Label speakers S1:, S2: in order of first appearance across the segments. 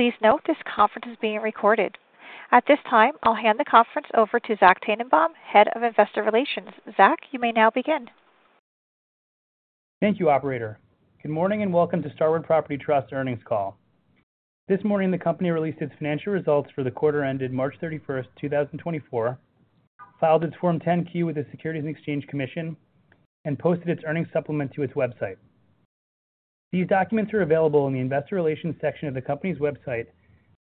S1: Please note this conference is being recorded. At this time, I'll hand the conference over to Zach Tanenbaum, head of investor relations. Zach, you may now begin.
S2: Thank you, operator. Good morning and welcome to Starwood Property Trust earnings call. This morning the company released its financial results for the quarter ended March 31, 2024, filed its Form 10-Q with the Securities and Exchange Commission, and posted its earnings supplement to its website. These documents are available in the investor relations section of the company's website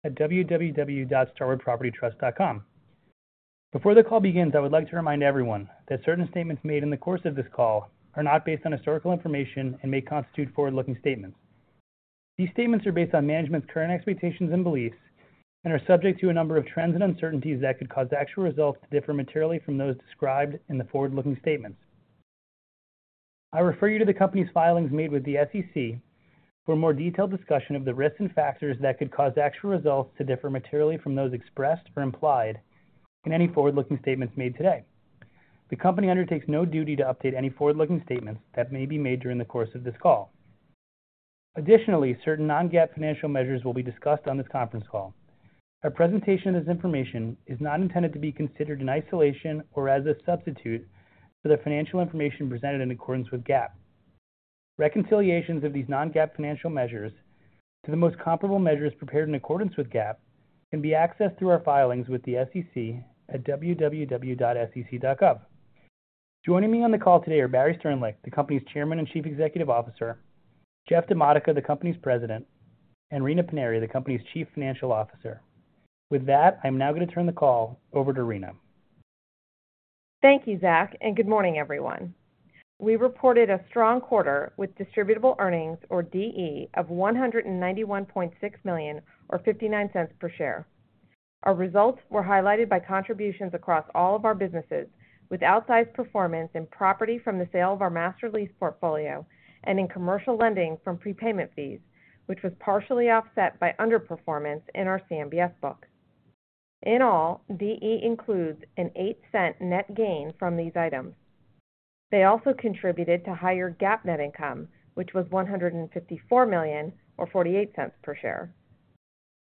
S2: at www.starwoodpropertytrust.com. Before the call begins, I would like to remind everyone that certain statements made in the course of this call are not based on historical information and may constitute forward-looking statements. These statements are based on management's current expectations and beliefs and are subject to a number of trends and uncertainties that could cause actual results to differ materially from those described in the forward-looking statements. I refer you to the company's filings made with the SEC for a more detailed discussion of the risks and factors that could cause actual results to differ materially from those expressed or implied in any forward-looking statements made today. The company undertakes no duty to update any forward-looking statements that may be made during the course of this call. Additionally, certain non-GAAP financial measures will be discussed on this conference call. Our presentation of this information is not intended to be considered in isolation or as a substitute for the financial information presented in accordance with GAAP. Reconciliations of these non-GAAP financial measures to the most comparable measures prepared in accordance with GAAP can be accessed through our filings with the SEC at www.sec.gov. Joining me on the call today are Barry Sternlicht, the company's Chairman and Chief Executive Officer, Jeff DiModica, the company's President, and Rina Paniry, the company's Chief Financial Officer. With that, I'm now going to turn the call over to Rina.
S3: Thank you, Zach, and good morning, everyone. We reported a strong quarter with distributable earnings, or DE, of $191.6 million or $0.59 per share. Our results were highlighted by contributions across all of our businesses with outsized performance in property from the sale of our master lease portfolio and in commercial lending from prepayment fees, which was partially offset by underperformance in our CMBS book. In all, DE includes an $0.08 net gain from these items. They also contributed to higher GAAP net income, which was $154 million or $0.48 per share.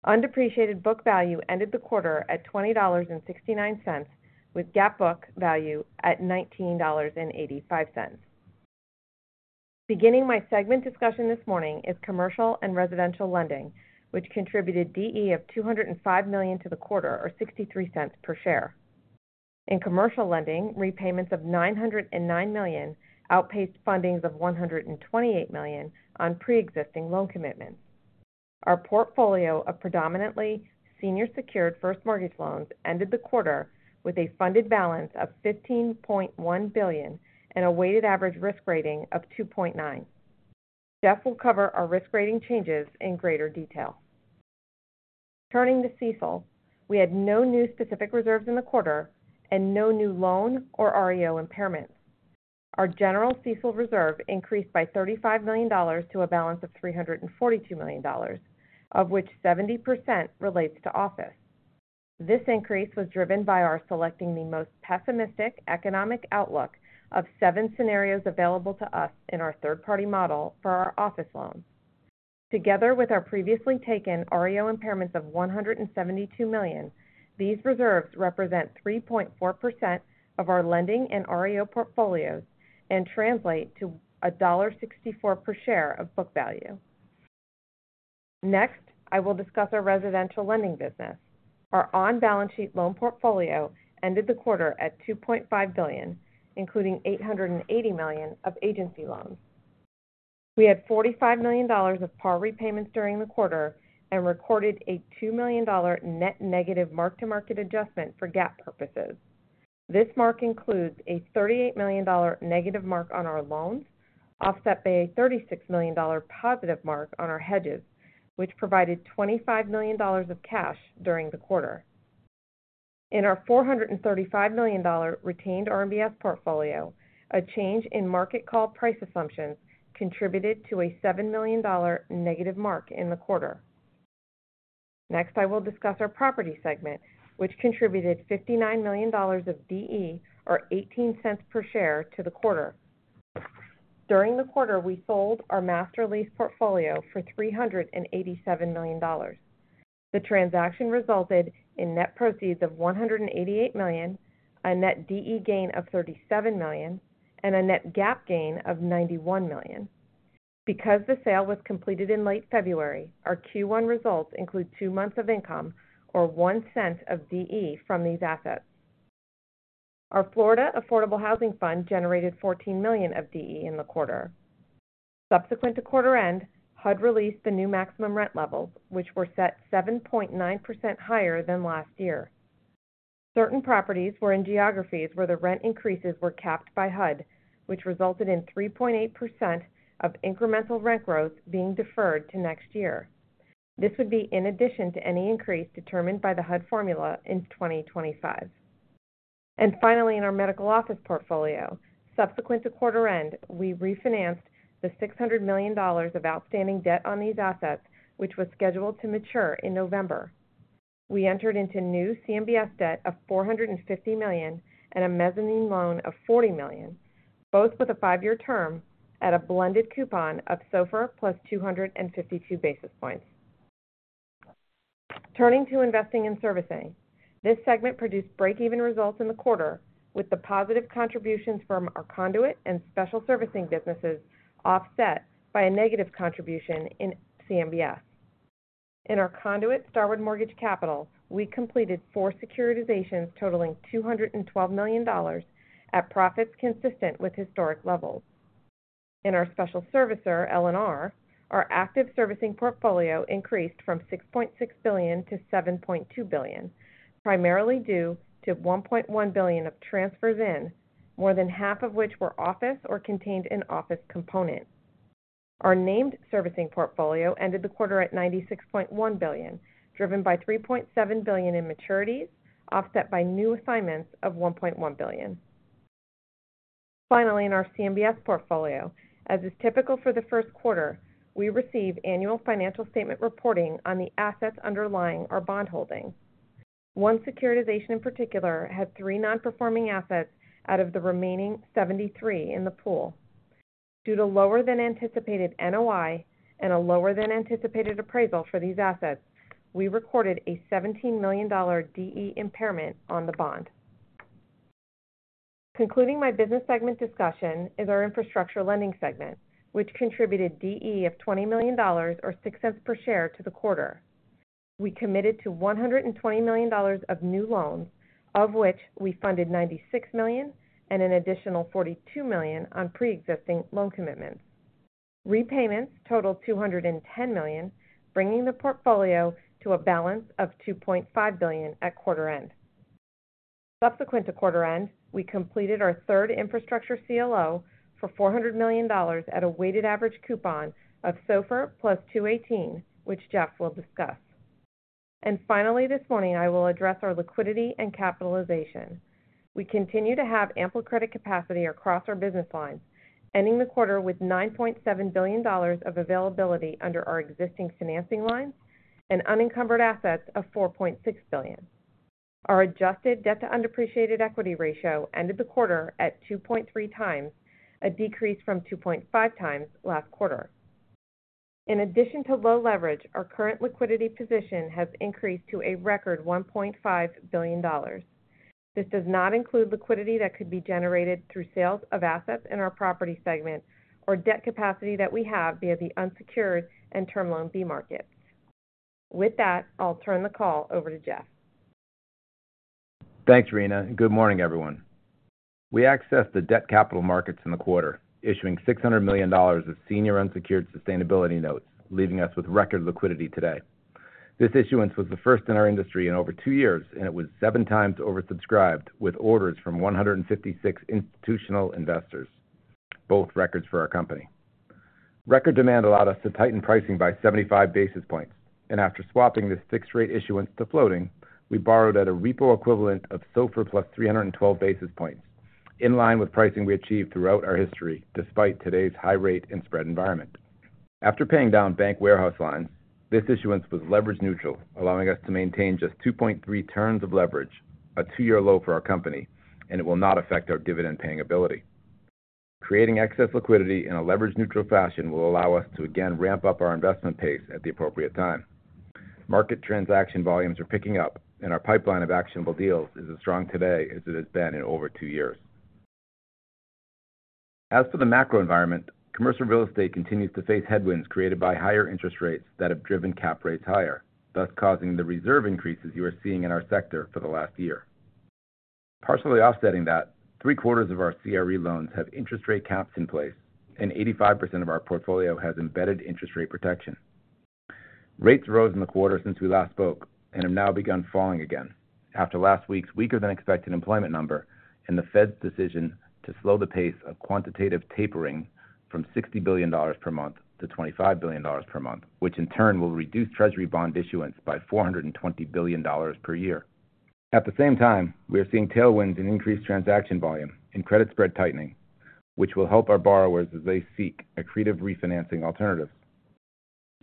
S3: undepreciated book value ended the quarter at $20.69, with GAAP book value at $19.85. Beginning my segment discussion this morning is commercial and residential lending, which contributed DE of $205 million to the quarter or $0.63 per share. In commercial lending, repayments of $909 million outpaced funding of $128 million on pre-existing loan commitments. Our portfolio of predominantly senior-secured first mortgage loans ended the quarter with a funded balance of $15.1 billion and a weighted average risk rating of 2.9. Jeff will cover our risk rating changes in greater detail. Turning to CECL, we had no new specific reserves in the quarter and no new loan or REO impairments. Our general CECL reserve increased by $35 million to a balance of $342 million, of which 70% relates to office. This increase was driven by our selecting the most pessimistic economic outlook of seven scenarios available to us in our third-party model for our office loans. Together with our previously taken REO impairments of $172 million, these reserves represent 3.4% of our lending and REO portfolios and translate to $1.64 per share of book value. Next, I will discuss our residential lending business. Our on-balance sheet loan portfolio ended the quarter at $2.5 billion, including $880 million of agency loans. We had $45 million of par repayments during the quarter and recorded a $2 million net negative mark-to-market adjustment for GAAP purposes. This mark includes a $38 million negative mark on our loans, offset by a $36 million positive mark on our hedges, which provided $25 million of cash during the quarter. In our $435 million retained RMBS portfolio, a change in market call price assumptions contributed to a $7 million negative mark in the quarter. Next, I will discuss our property segment, which contributed $59 million of DE or $0.18 per share to the quarter. During the quarter, we sold our Master Lease Portfolio for $387 million. The transaction resulted in net proceeds of $188 million, a net DE gain of $37 million, and a net GAAP gain of $91 million. Because the sale was completed in late February, our Q1 results include two months of income or $0.01 of DE from these assets. Our Florida Affordable Housing Fund generated $14 million of DE in the quarter. Subsequent to quarter-end, HUD released the new maximum rent levels, which were set 7.9% higher than last year. Certain properties were in geographies where the rent increases were capped by HUD, which resulted in 3.8% of incremental rent growth being deferred to next year. This would be in addition to any increase determined by the HUD formula in 2025. And finally, in our medical office portfolio, subsequent to quarter-end, we refinanced the $600 million of outstanding debt on these assets, which was scheduled to mature in November. We entered into new CMBS debt of $450 million and a mezzanine loan of $40 million, both with a 5-year term at a blended coupon of SOFR plus 252 basis points. Turning to investing in servicing. This segment produced break-even results in the quarter, with the positive contributions from our conduit and special servicing businesses offset by a negative contribution in CMBS. In our conduit, Starwood Mortgage Capital, we completed 4 securitizations totaling $212 million at profits consistent with historic levels. In our special servicer, LNR, our active servicing portfolio increased from $6.6 billion to $7.2 billion, primarily due to $1.1 billion of transfers in, more than half of which were office or contained-in-office components. Our named servicing portfolio ended the quarter at $96.1 billion, driven by $3.7 billion in maturities, offset by new assignments of $1.1 billion. Finally, in our CMBS portfolio, as is typical for the Q1, we receive annual financial statement reporting on the assets underlying our bond holding. One securitization in particular had three non-performing assets out of the remaining 73 in the pool. Due to lower-than-anticipated NOI and a lower-than-anticipated appraisal for these assets, we recorded a $17 million DE impairment on the bond. Concluding my business segment discussion is our infrastructure lending segment, which contributed DE of $20 million or $0.06 per share to the quarter. We committed to $120 million of new loans, of which we funded $96 million and an additional $42 million on pre-existing loan commitments. Repayments totaled $210 million, bringing the portfolio to a balance of $2.5 billion at quarter-end. Subsequent to quarter-end, we completed our third infrastructure CLO for $400 million at a weighted average coupon of SOFR plus 218, which Jeff will discuss. Finally, this morning I will address our liquidity and capitalization. We continue to have ample credit capacity across our business lines, ending the quarter with $9.7 billion of availability under our existing financing lines and unencumbered assets of $4.6 billion. Our adjusted debt-to-undepreciated equity ratio ended the quarter at 2.3x, a decrease from 2.5x last quarter. In addition to low leverage, our current liquidity position has increased to a record $1.5 billion. This does not include liquidity that could be generated through sales of assets in our property segment or debt capacity that we have via the unsecured and term loan B markets. With that, I'll turn the call over to Jeff.
S4: Thanks, Rina, and good morning, everyone. We accessed the debt capital markets in the quarter, issuing $600 million of senior unsecured sustainability notes, leaving us with record liquidity today. This issuance was the first in our industry in over two years, and it was seven times oversubscribed with orders from 156 institutional investors, both records for our company. Record demand allowed us to tighten pricing by 75 basis points, and after swapping this fixed-rate issuance to floating, we borrowed at a repo equivalent of SOFR plus 312 basis points, in line with pricing we achieved throughout our history despite today's high-rate and spread environment. After paying down bank warehouse lines, this issuance was leverage neutral, allowing us to maintain just 2.3 turns of leverage, a two-year low for our company, and it will not affect our dividend paying ability. Creating excess liquidity in a leverage-neutral fashion will allow us to again ramp up our investment pace at the appropriate time. Market transaction volumes are picking up, and our pipeline of actionable deals is as strong today as it has been in over two years. As for the macro environment, commercial real estate continues to face headwinds created by higher interest rates that have driven cap rates higher, thus causing the reserve increases you are seeing in our sector for the last year. Partially offsetting that, three-quarters of our CRE loans have interest rate caps in place, and 85% of our portfolio has embedded interest rate protection. Rates rose in the quarter since we last spoke and have now begun falling again after last week's weaker-than-expected employment number and the Fed's decision to slow the pace of quantitative tapering from $60 billion per month to $25 billion per month, which in turn will reduce Treasury bond issuance by $420 billion per year. At the same time, we are seeing tailwinds in increased transaction volume and credit spread tightening, which will help our borrowers as they seek accretive refinancing alternatives.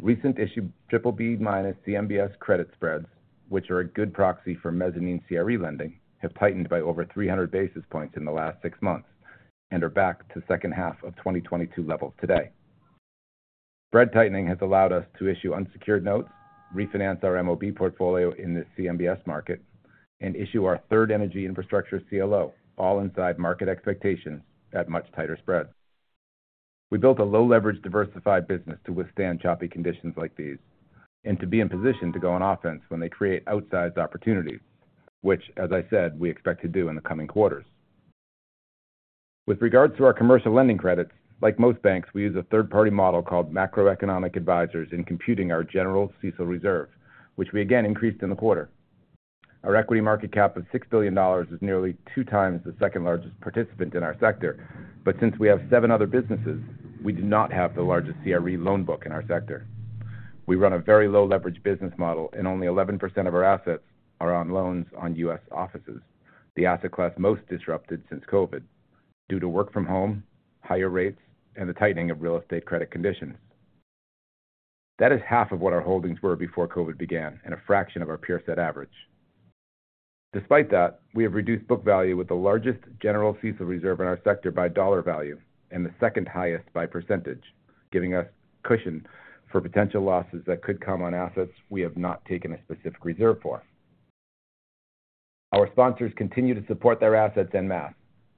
S4: Recent issued BBB minus CMBS credit spreads, which are a good proxy for mezzanine CRE lending, have tightened by over 300 basis points in the last six months and are back to second-half of 2022 levels today. Spread tightening has allowed us to issue unsecured notes, refinance our MOB portfolio in this CMBS market, and issue our third energy infrastructure CLO, all inside market expectations at much tighter spreads. We built a low-leverage diversified business to withstand choppy conditions like these and to be in position to go on offense when they create outsized opportunities, which, as I said, we expect to do in the coming quarters. With regards to our commercial lending credits, like most banks, we use a third-party model called Macroeconomic Advisers in computing our general CECL reserve, which we again increased in the quarter. Our equity market cap of $6 billion is nearly two times the second-largest participant in our sector, but since we have seven other businesses, we do not have the largest CRE loan book in our sector. We run a very low-leverage business model, and only 11% of our assets are on loans on U.S. offices, the asset class most disrupted since COVID due to work from home, higher rates, and the tightening of real estate credit conditions. That is half of what our holdings were before COVID began and a fraction of our peer-set average. Despite that, we have reduced book value with the largest general CECL reserve in our sector by dollar value and the second-highest by percentage, giving us cushion for potential losses that could come on assets we have not taken a specific reserve for. Our sponsors continue to support their assets en masse,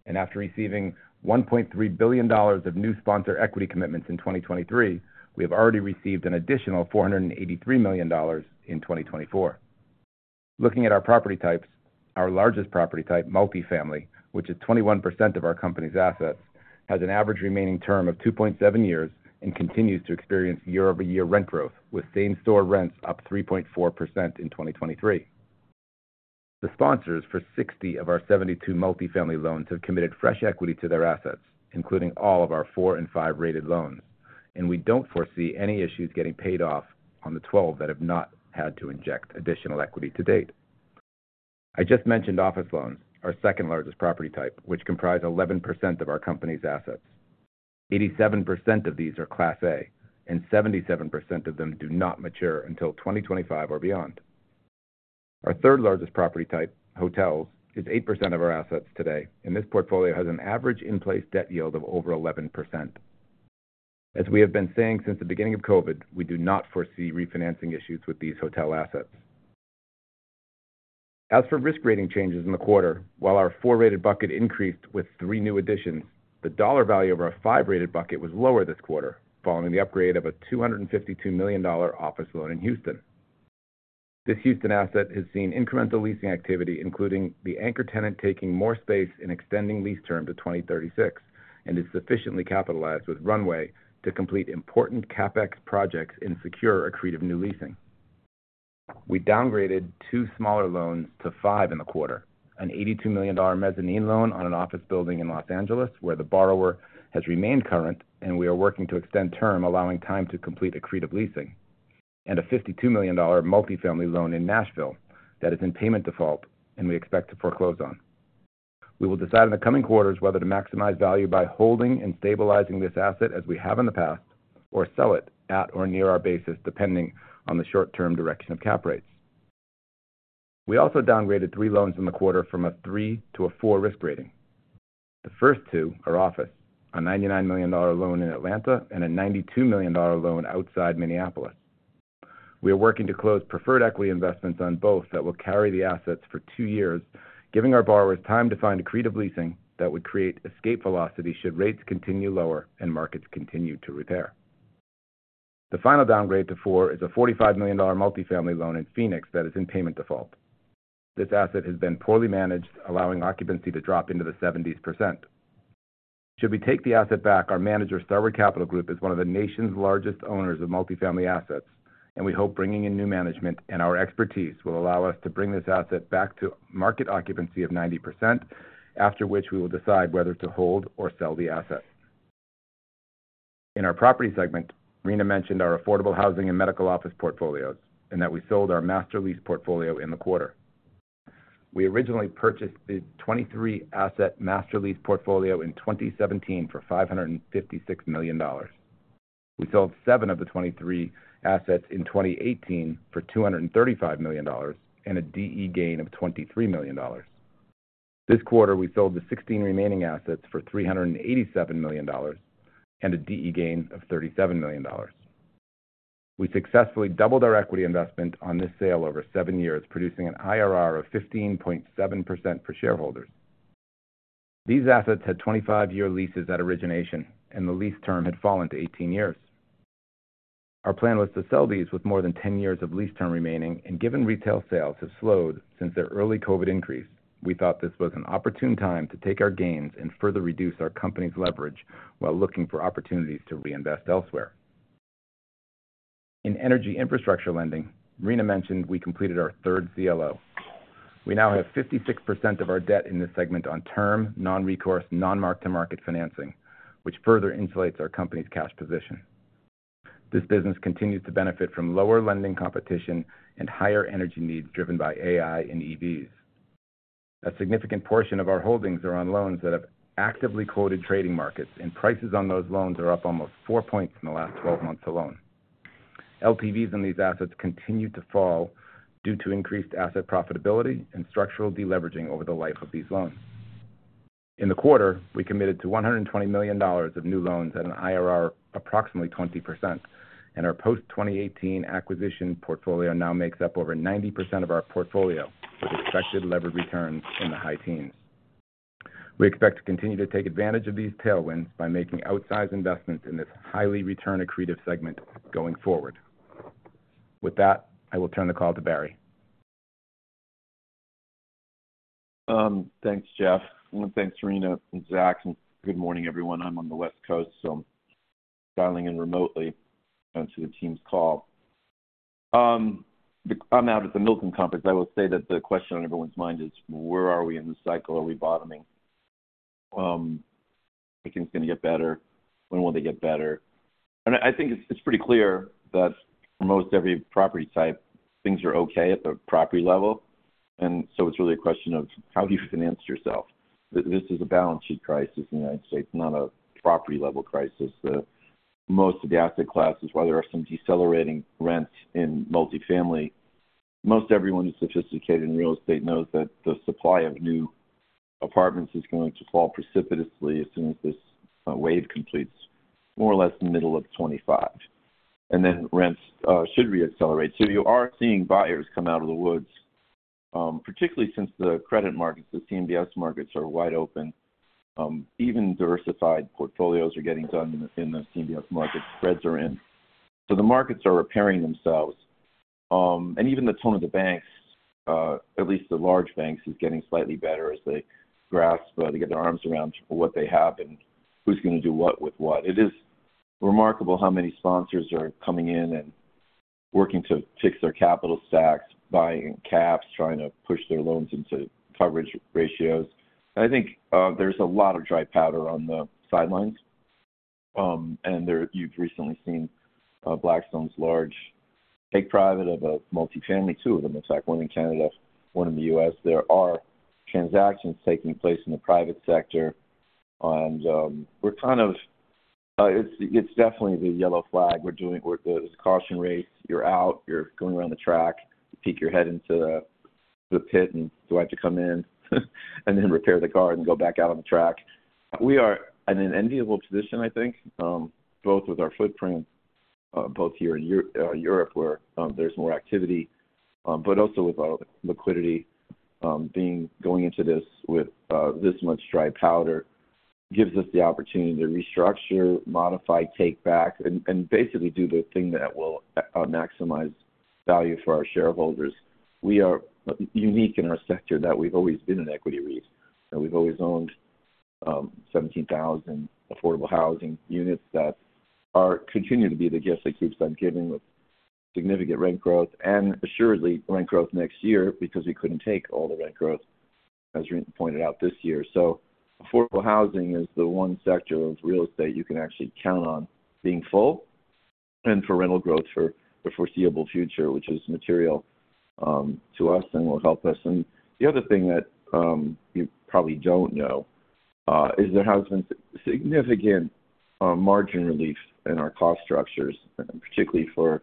S4: and after receiving $1.3 billion of new sponsor equity commitments in 2023, we have already received an additional $483 million in 2024. Looking at our property types, our largest property type, multifamily, which is 21% of our company's assets, has an average remaining term of 2.7 years and continues to experience year-over-year rent growth with same-store rents up 3.4% in 2023. The sponsors for 60 of our 72 multifamily loans have committed fresh equity to their assets, including all of our 4 and 5-rated loans, and we don't foresee any issues getting paid off on the 12 that have not had to inject additional equity to date. I just mentioned office loans, our second-largest property type, which comprise 11% of our company's assets. 87% of these are Class A, and 77% of them do not mature until 2025 or beyond. Our third-largest property type, hotels, is 8% of our assets today and this portfolio has an average in-place debt yield of over 11%. As we have been saying since the beginning of COVID, we do not foresee refinancing issues with these hotel assets. As for risk-rating changes in the quarter, while our 4-rated bucket increased with three new additions, the dollar value of our 5-rated bucket was lower this quarter following the upgrade of a $252 million office loan in Houston. This Houston asset has seen incremental leasing activity, including the anchor tenant taking more space and extending lease term to 2036, and is sufficiently capitalized with runway to complete important CapEx projects and secure accretive new leasing. We downgraded two smaller loans to five in the quarter: an $82 million mezzanine loan on an office building in Los Angeles where the borrower has remained current, and we are working to extend term, allowing time to complete accretive leasing, and a $52 million multifamily loan in Nashville that is in payment default and we expect to foreclose on. We will decide in the coming quarters whether to maximize value by holding and stabilizing this asset as we have in the past or sell it at or near our basis, depending on the short-term direction of cap rates. We also downgraded three loans in the quarter from a 3 to a 4 risk rating. The first two are office, a $99 million loan in Atlanta and a $92 million loan outside Minneapolis. We are working to close preferred equity investments on both that will carry the assets for two years, giving our borrowers time to find accretive leasing that would create escape velocity should rates continue lower and markets continue to repair. The final downgrade to four is a $45 million multifamily loan in Phoenix that is in payment default. This asset has been poorly managed, allowing occupancy to drop into the 70%. Should we take the asset back, our manager, Starwood Capital Group, is one of the nation's largest owners of multifamily assets, and we hope bringing in new management and our expertise will allow us to bring this asset back to market occupancy of 90%, after which we will decide whether to hold or sell the asset. In our property segment, Rina mentioned our affordable housing and medical office portfolios and that we sold our master lease portfolio in the quarter. We originally purchased the 23-asset master lease portfolio in 2017 for $556 million. We sold 7 of the 23 assets in 2018 for $235 million and a DE gain of $23 million. This quarter, we sold the 16 remaining assets for $387 million and a DE gain of $37 million. We successfully doubled our equity investment on this sale over seven years, producing an IRR of 15.7% per shareholder. These assets had 25-year leases at origination, and the lease term had fallen to 18 years. Our plan was to sell these with more than 10 years of lease term remaining, and given retail sales have slowed since their early COVID increase, we thought this was an opportune time to take our gains and further reduce our company's leverage while looking for opportunities to reinvest elsewhere. In energy infrastructure lending, Rina mentioned we completed our third CLO. We now have 56% of our debt in this segment on term, non-recourse, non-mark-to-market financing, which further insulates our company's cash position. This business continues to benefit from lower lending competition and higher energy needs driven by AI and EVs. A significant portion of our holdings are on loans that have actively quoted trading markets, and prices on those loans are up almost 4 points in the last 12 months alone. LTVs on these assets continue to fall due to increased asset profitability and structural deleveraging over the life of these loans. In the quarter, we committed to $120 million of new loans at an IRR of approximately 20%, and our post-2018 acquisition portfolio now makes up over 90% of our portfolio, with expected levered returns in the high teens. We expect to continue to take advantage of these tailwinds by making outsized investments in this highly return-accretive segment going forward. With that, I will turn the call to Barry.
S5: Thanks, Jeff. Thanks, Rina and Zach. Good morning, everyone. I'm on the West Coast, so I'm dialing in remotely to the team's call. I'm out at the Milken Conference. I will say that the question on everyone's mind is, where are we in this cycle? Are we bottoming? Everything's going to get better. When will they get better? And I think it's pretty clear that for most every property type, things are okay at the property level, and so it's really a question of how you finance yourself. This is a balance sheet crisis in the United States, not a property-level crisis. Most of the asset classes, while there are some decelerating rents in multifamily, most everyone who's sophisticated in real estate knows that the supply of new apartments is going to fall precipitously as soon as this wave completes, more or less in the middle of 2025. And then rents should reaccelerate. So you are seeing buyers come out of the woods, particularly since the credit markets, the CMBS markets, are wide open. Even diversified portfolios are getting done in the CMBS markets. Spreads are in. So the markets are repairing themselves. And even the tone of the banks, at least the large banks, is getting slightly better as they grasp, they get their arms around what they have and who's going to do what with what. It is remarkable how many sponsors are coming in and working to fix their capital stacks, buying caps, trying to push their loans into coverage ratios. And I think there's a lot of dry powder on the sidelines, and you've recently seen Blackstone's large take private of a multifamily, two of them, in fact, one in Canada, one in the U.S. There are transactions taking place in the private sector, and we're kind of—it's definitely the yellow flag. There's a caution race. You're out. You're going around the track. Peek your head into the pit and do I have to come in and then repair the car and go back out on the track? We are in an enviable position, I think, both with our footprint, both here in Europe where there's more activity, but also with our liquidity. Going into this with this much dry powder gives us the opportunity to restructure, modify, take back, and basically do the thing that will maximize value for our shareholders. We are unique in our sector that we've always been an equity REIT, and we've always owned 17,000 affordable housing units that continue to be the gift that keeps on giving with significant rent growth and assuredly rent growth next year because we couldn't take all the rent growth, as Rina pointed out, this year. So affordable housing is the one sector of real estate you can actually count on being full and for rental growth for the foreseeable future, which is material to us and will help us. And the other thing that you probably don't know is there has been significant margin relief in our cost structures, particularly for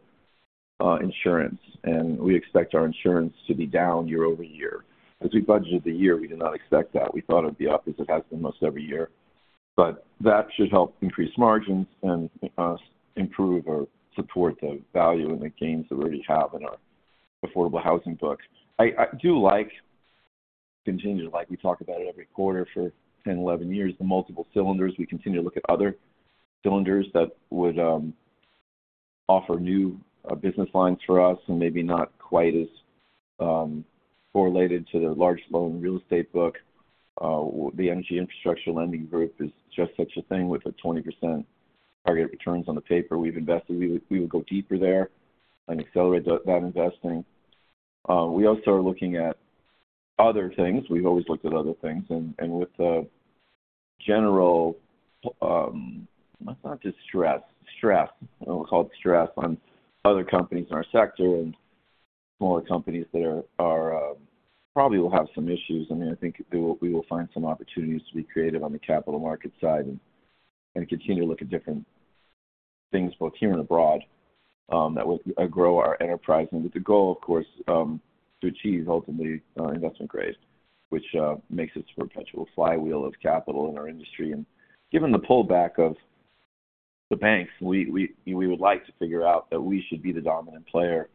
S5: insurance, and we expect our insurance to be down year over year. As we budgeted the year, we did not expect that. We thought it would be up as it has been most every year. But that should help increase margins and improve or support the value and the gains that we already have in our affordable housing books. I do like, continue to like, we talk about it every quarter for 10, 11 years, the multiple cylinders. We continue to look at other cylinders that would offer new business lines for us and maybe not quite as correlated to the large loan real estate book. The energy infrastructure lending group is just such a thing with a 20% target returns on the paper we've invested. We would go deeper there and accelerate that investing. We also are looking at other things. We've always looked at other things. And with the general let's not just stress. Stress. We'll call it stress on other companies in our sector and smaller companies that probably will have some issues. I mean, I think we will find some opportunities to be creative on the capital market side and continue to look at different things, both here and abroad, that would grow our enterprise with the goal, of course, to achieve ultimately investment grade, which makes us a perpetual flywheel of capital in our industry. And given the pullback of the banks, we would like to figure out that we should be the dominant player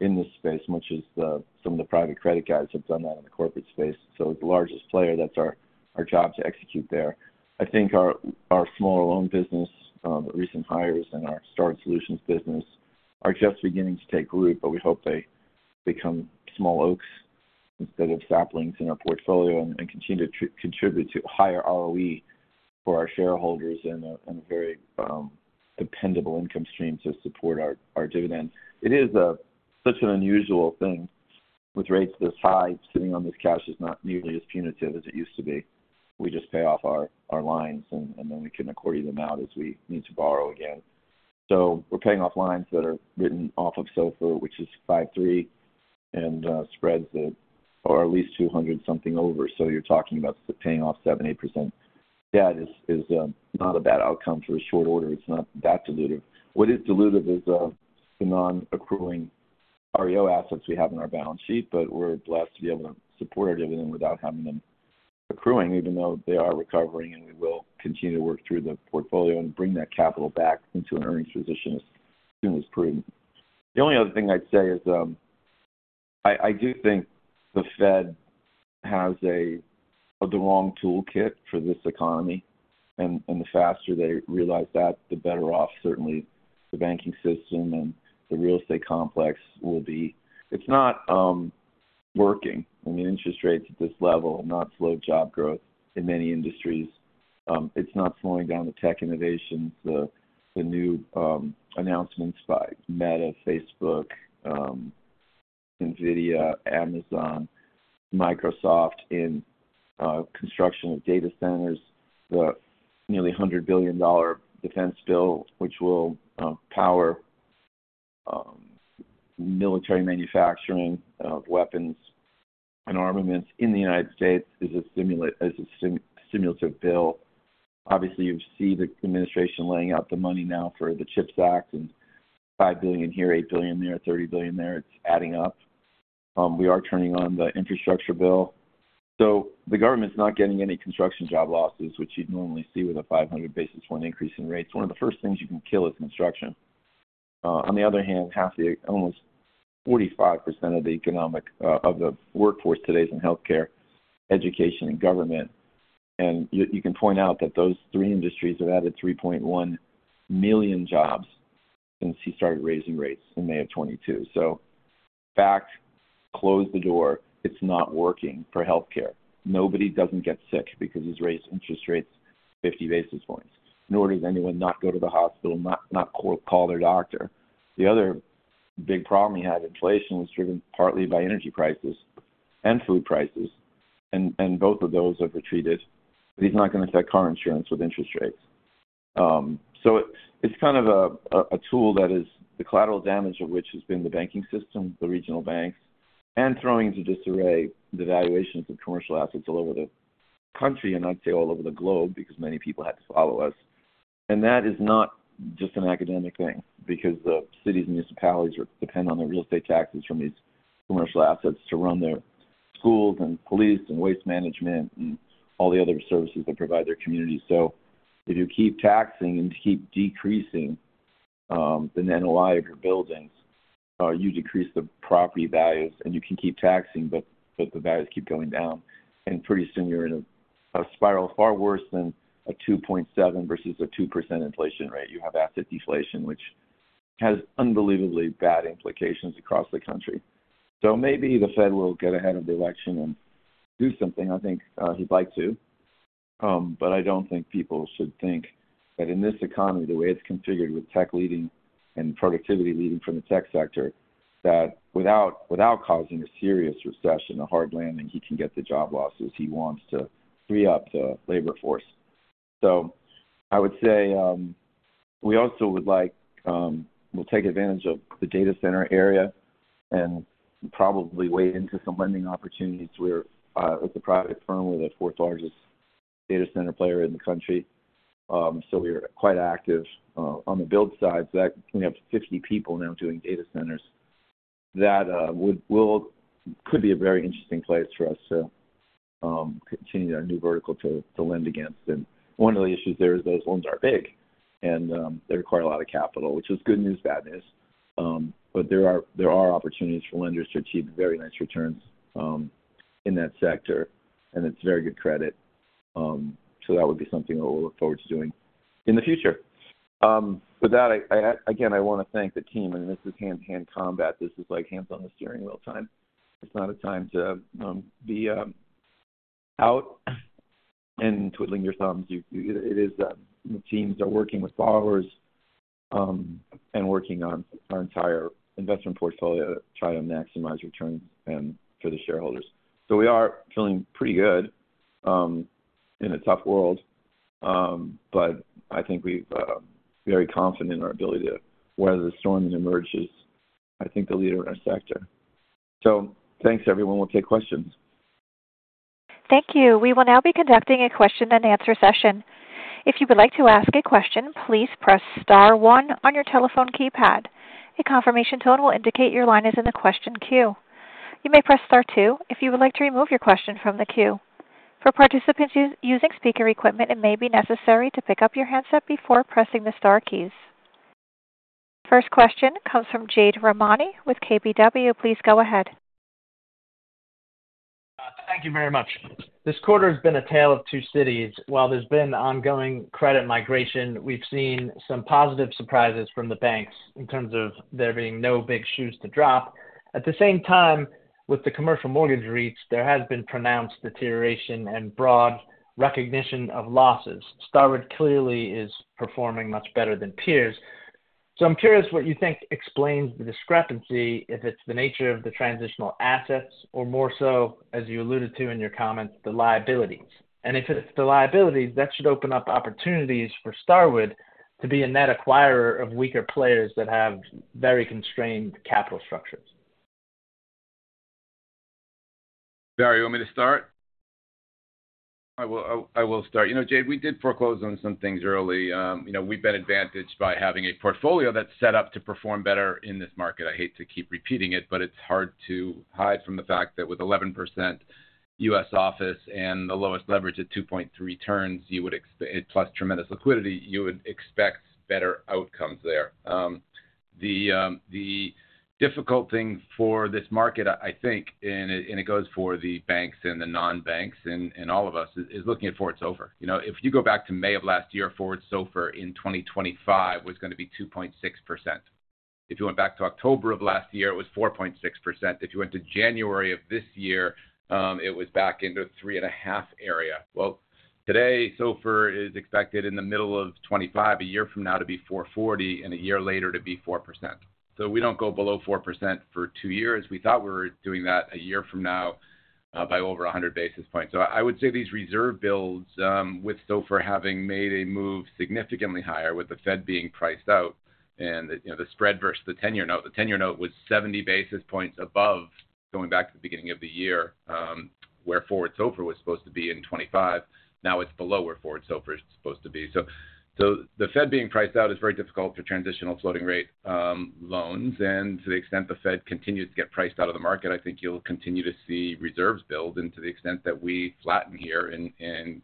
S5: in this space, much as some of the private credit guys have done that in the corporate space. So as the largest player, that's our job to execute there. I think our smaller loan business, the recent hires in our Starwood Solutions business, are just beginning to take root, but we hope they become small oaks instead of saplings in our portfolio and continue to contribute to higher ROE for our shareholders and a very dependable income stream to support our dividends. It is such an unusual thing. With rates this high, sitting on this cash is not nearly as punitive as it used to be. We just pay off our lines, and then we can accordion them out as we need to borrow again. So we're paying off lines that are written off of SOFR, which is 5.3 and spreads that are at least 200-something over. So you're talking about paying off 7%-8%. That is not a bad outcome for a short order. It's not that dilutive. What is dilutive is the non-accruing REO assets we have in our balance sheet, but we're blessed to be able to support our dividend without having them accruing, even though they are recovering, and we will continue to work through the portfolio and bring that capital back into an earnings position as soon as prudent. The only other thing I'd say is I do think the Fed has the wrong toolkit for this economy, and the faster they realize that, the better off certainly the banking system and the real estate complex will be. It's not working. I mean, interest rates at this level have not slowed job growth in many industries. It's not slowing down the tech innovations, the new announcements by Meta, Facebook, NVIDIA, Amazon, Microsoft in construction of data centers, the nearly $100 billion defense bill, which will power military manufacturing of weapons and armaments in the United States, is a stimulative bill. Obviously, you see the administration laying out the money now for the CHIPS Act, and $5 billion here, $8 billion there, $30 billion there. It's adding up. We are turning on the infrastructure bill. So the government's not getting any construction job losses, which you'd normally see with a 500-basis-point increase in rates. One of the first things you can kill is construction. On the other hand, almost 45% of the economy of the workforce today is in healthcare, education, and government. And you can point out that those three industries have added 3.1 million jobs since he started raising rates in May of 2022. So in fact, close the door. It's not working for healthcare. Nobody doesn't get sick because he's raised interest rates 50 basis points. Nor does anyone not go to the hospital, not call their doctor. The other big problem he had, inflation, was driven partly by energy prices and food prices, and both of those have retreated. He's not going to affect car insurance with interest rates. So it's kind of a tool that is the collateral damage of which has been the banking system, the regional banks, and throwing into disarray the valuations of commercial assets all over the country, and I'd say all over the globe because many people had to follow us. That is not just an academic thing because the cities and municipalities depend on their real estate taxes from these commercial assets to run their schools and police and waste management and all the other services that provide their communities. So if you keep taxing and keep decreasing the NOI of your buildings, you decrease the property values, and you can keep taxing, but the values keep going down. And pretty soon, you're in a spiral far worse than a 2.7% versus a 2% inflation rate. You have asset deflation, which has unbelievably bad implications across the country. So maybe the Fed will get ahead of the election and do something. I think he'd like to, but I don't think people should think that in this economy, the way it's configured with tech leading and productivity leading from the tech sector, that without causing a serious recession, a hard landing, he can get the job losses. He wants to free up the labor force. So I would say we also would like we'll take advantage of the data center area and probably weigh into some lending opportunities. We're a private firm with the fourth largest data center player in the country, so we're quite active on the build side. So we have 50 people now doing data centers. That could be a very interesting place for us to continue our new vertical to lend against. And one of the issues there is those loans are big, and they require a lot of capital, which is good news, bad news. But there are opportunities for lenders to achieve very nice returns in that sector, and it's very good credit. So that would be something that we'll look forward to doing in the future. With that, again, I want to thank the team. I mean, this is hand-to-hand combat. This is hands-on-the-steering wheel time. It's not a time to be out and twiddling your thumbs. The teams are working with borrowers and working on our entire investment portfolio to try to maximize returns for the shareholders. So we are feeling pretty good in a tough world, but I think we're very confident in our ability to weather the storm that emerges, I think, the leader in our sector. So thanks, everyone. We'll take questions.
S1: Thank you. We will now be conducting a question-and-answer session. If you would like to ask a question, please press star one on your telephone keypad. A confirmation tone will indicate your line is in the question queue. You may press star two if you would like to remove your question from the queue. For participants using speaker equipment, it may be necessary to pick up your handset before pressing the star keys. First question comes from Jade Rahmani with KBW. Please go ahead.
S6: Thank you very much. This quarter has been a tale of two cities. While there's been ongoing credit migration, we've seen some positive surprises from the banks in terms of there being no big shoes to drop. At the same time, with the commercial mortgage REITs, there has been pronounced deterioration and broad recognition of losses. Starwood clearly is performing much better than peers. So I'm curious what you think explains the discrepancy, if it's the nature of the transitional assets or more so, as you alluded to in your comments, the liabilities. And if it's the liabilities, that should open up opportunities for Starwood to be a net acquirer of weaker players that have very constrained capital structures.
S4: Barry, you want me to start? I will start. Jade, we did foreclose on some things early. We've been advantaged by having a portfolio that's set up to perform better in this market. I hate to keep repeating it, but it's hard to hide from the fact that with 11% U.S. office and the lowest leverage at 2.3 turns, plus tremendous liquidity, you would expect better outcomes there. The difficult thing for this market, I think, and it goes for the banks and the non-banks and all of us, is looking at forwards over. If you go back to May of last year, forwards SOFR in 2025 was going to be 2.6%. If you went back to October of last year, it was 4.6%. If you went to January of this year, it was back into 3.5% area. Well, today, SOFR is expected in the middle of 2025, a year from now, to be 4.40 and a year later to be 4%. So we don't go below 4% for two years. We thought we were doing that a year from now by over 100 basis points. So I would say these reserve builds, with SOFR having made a move significantly higher, with the Fed being priced out and the spread versus the 10-year note, the 10-year note was 70 basis points above going back to the beginning of the year, where forward SOFR was supposed to be in 2025. Now it's below where forward SOFR is supposed to be. So the Fed being priced out is very difficult for transitional floating rate loans. And to the extent the Fed continues to get priced out of the market, I think you'll continue to see reserves build. To the extent that we flatten here and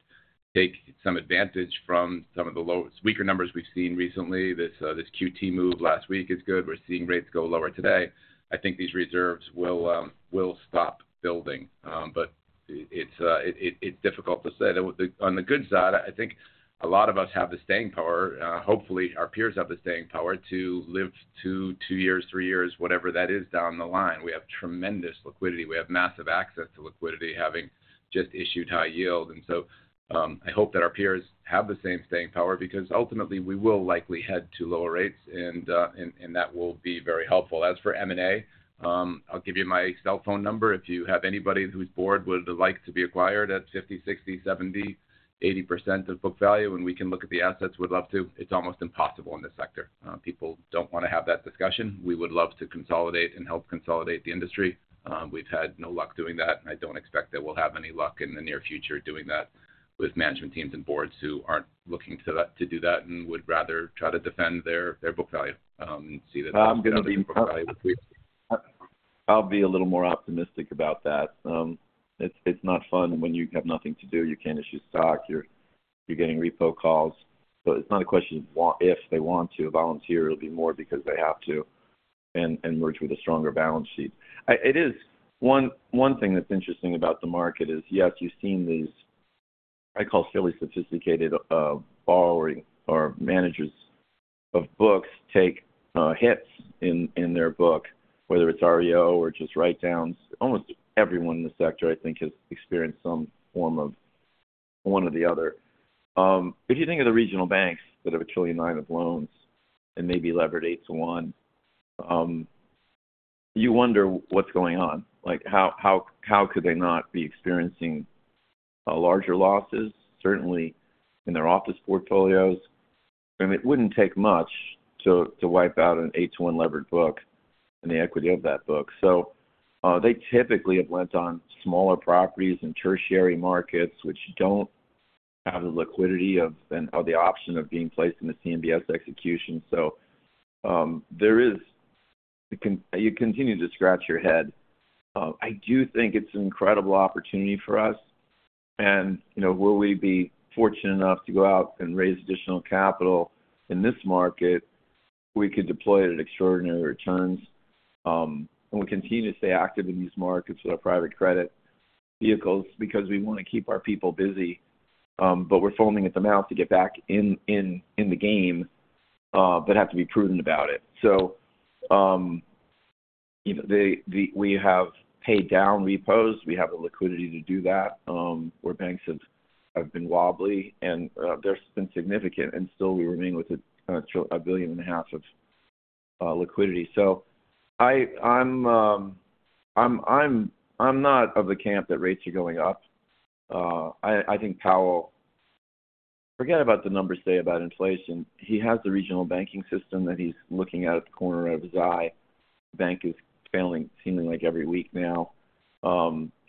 S4: take some advantage from some of the weaker numbers we've seen recently, this QT move last week is good. We're seeing rates go lower today. I think these reserves will stop building. But it's difficult to say. On the good side, I think a lot of us have the staying power. Hopefully, our peers have the staying power to live two years, three years, whatever that is down the line. We have tremendous liquidity. We have massive access to liquidity having just issued high yield. And so I hope that our peers have the same staying power because ultimately, we will likely head to lower rates, and that will be very helpful. As for M&A, I'll give you my cell phone number. If you have anybody who's bored, would like to be acquired at 50%, 60%, 70%, 80% of book value, and we can look at the assets, would love to. It's almost impossible in this sector. People don't want to have that discussion. We would love to consolidate and help consolidate the industry. We've had no luck doing that. I don't expect that we'll have any luck in the near future doing that with management teams and boards who aren't looking to do that and would rather try to defend their book value and see that they're defending their book value. I'll be a little more optimistic about that. It's not fun when you have nothing to do. You can't issue stock. You're getting repo calls. So it's not a question of if they want to volunteer. It'll be more because they have to and merge with a stronger balance sheet. One thing that's interesting about the market is, yes, you've seen these, I call, fairly sophisticated borrowing or managers of books take hits in their book, whether it's REO or just write-downs. Almost everyone in the sector, I think, has experienced some form of one or the other. If you think of the regional banks that have $1.9 trillion of loans and maybe levered 8 to 1, you wonder what's going on. How could they not be experiencing larger losses, certainly in their office portfolios? I mean, it wouldn't take much to wipe out an 8 to 1 levered book and the equity of that book. So they typically have lent on smaller properties in tertiary markets, which don't have the liquidity or the option of being placed in a CMBS execution. So you continue to scratch your head. I do think it's an incredible opportunity for us. And will we be fortunate enough to go out and raise additional capital in this market? We could deploy it at extraordinary returns. And we continue to stay active in these markets with our private credit vehicles because we want to keep our people busy. But we're foaming at the mouth to get back in the game but have to be prudent about it. So we have paid down repos. We have the liquidity to do that where banks have been wobbly, and there's been significant and still, we remain with $1.5 billion of liquidity. So I'm not of the camp that rates are going up. I think Powell forget about the numbers they say about inflation. He has the regional banking system that he's looking at at the corner of his eye. The bank is failing, seemingly, every week now.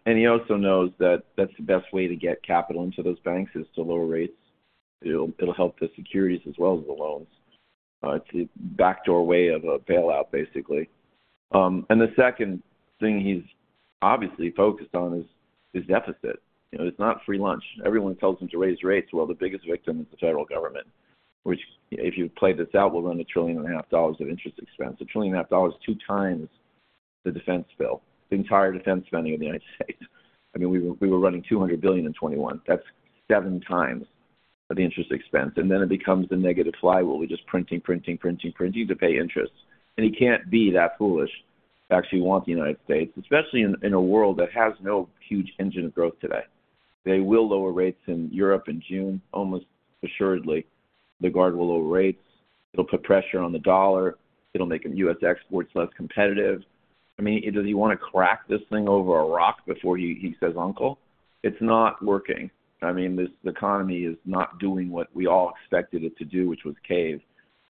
S4: He also knows that that's the best way to get capital into those banks is to lower rates. It'll help the securities as well as the loans. It's a backdoor way of a bailout, basically. The second thing he's obviously focused on is deficit. It's not free lunch. Everyone tells him to raise rates. Well, the biggest victim is the federal government, which, if you play this out, will run $1.5 trillion of interest expense. $1.5 trillion is 2x the defense bill, the entire defense spending of the United States. I mean, we were running $200 billion in 2021. That's 7x the interest expense. Then it becomes the negative flywheel. We're just printing, printing, printing, printing to pay interest. He can't be that foolish to actually want the United States, especially in a world that has no huge engine of growth today. They will lower rates in Europe in June, almost assuredly. Lagarde will lower rates. It'll put pressure on the dollar. It'll make US exports less competitive. I mean, does he want to crack this thing over a rock before he says, "Uncle"? It's not working. I mean, the economy is not doing what we all expected it to do, which was cave.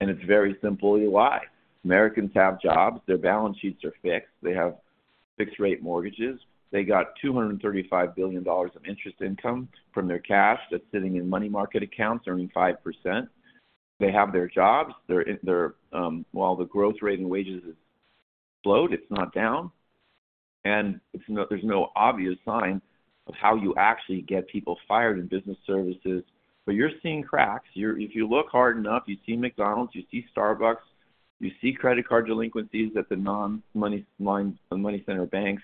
S4: It's very simply alive. Americans have jobs. Their balance sheets are fixed. They have fixed-rate mortgages. They got $235 billion of interest income from their cash that's sitting in money market accounts, earning 5%. They have their jobs. While the growth rate and wages float, it's not down. There's no obvious sign of how you actually get people fired in business services. But you're seeing cracks. If you look hard enough, you see McDonald's, you see Starbucks, you see credit card delinquencies at the non-money center banks,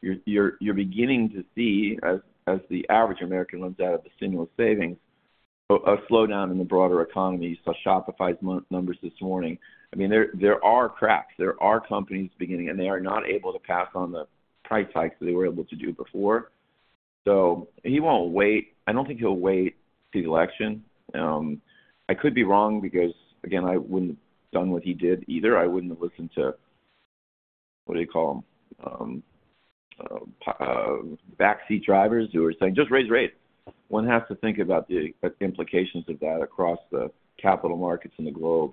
S4: you're beginning to see, as the average American runs out of the stimulus savings, a slowdown in the broader economy. You saw Shopify's numbers this morning. I mean, there are cracks. There are companies beginning, and they are not able to pass on the price hikes that they were able to do before. So he won't wait. I don't think he'll wait till the election. I could be wrong because, again, I wouldn't have done what he did either. I wouldn't have listened to what do they call them, backseat drivers who are saying, "Just raise rates." One has to think about the implications of that across the capital markets in the globe.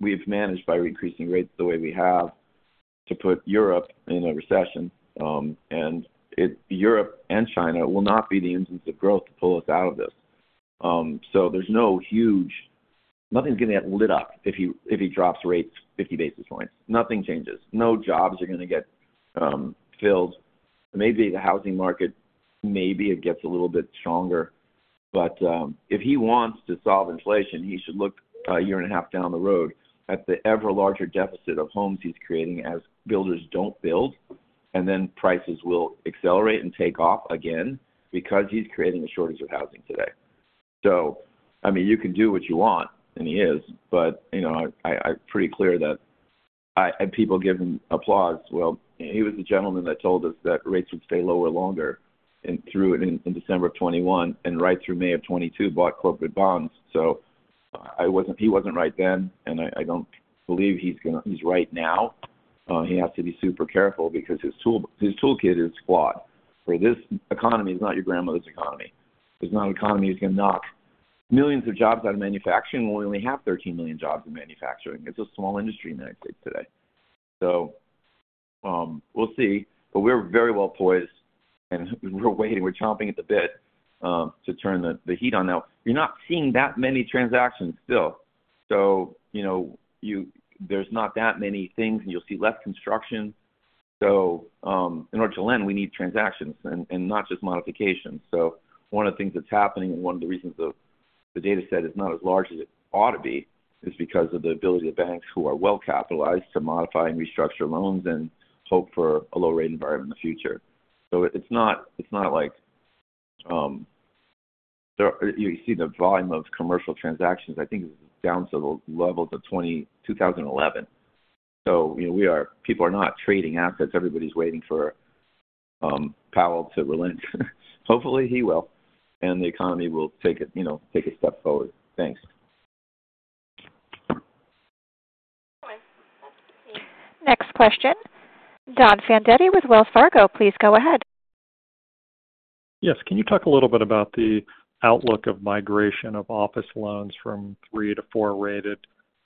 S4: We've managed by increasing rates the way we have to put Europe in a recession. Europe and China will not be the engines of growth to pull us out of this. There's no huge, nothing's going to get lit up if he drops rates 50 basis points. Nothing changes. No jobs are going to get filled. Maybe the housing market, maybe it gets a little bit stronger. But if he wants to solve inflation, he should look a year and a half down the road at the ever larger deficit of homes he's creating as builders don't build, and then prices will accelerate and take off again because he's creating a shortage of housing today. So I mean, you can do what you want, and he is. But I'm pretty clear that and people give him applause. Well, he was the gentleman that told us that rates would stay lower longer through in December of 2021 and right through May of 2022 bought corporate bonds. So he wasn't right then, and I don't believe he's right now. He has to be super careful because his toolkit is flawed. For this economy, it's not your grandmother's economy. It's not an economy that's going to knock millions of jobs out of manufacturing when we only have 13 million jobs in manufacturing. It's a small industry in the United States today. So we'll see. But we're very well poised, and we're waiting. We're chomping at the bit to turn the heat on. Now, you're not seeing that many transactions still. So there's not that many things, and you'll see less construction. So in order to lend, we need transactions and not just modifications. So one of the things that's happening and one of the reasons the data set is not as large as it ought to be is because of the ability of banks who are well-capitalized to modify and restructure loans and hope for a low-rate environment in the future. So it's not like you see the volume of commercial transactions, I think, is down to the levels of 2011. So people are not trading assets. Everybody's waiting for Powell to relent. Hopefully, he will, and the economy will take a step forward. Thanks.
S1: All right. That's the team. Next question. Don Fandetti with Wells Fargo. Please go ahead.
S7: Yes. Can you talk a little bit about the outlook of migration of office loans from 3 to 4-rated?